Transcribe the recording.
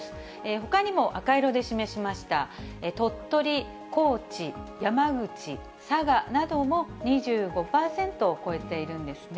ほかにも赤色で示しました鳥取、高知、山口、佐賀なども２５％を超えているんですね。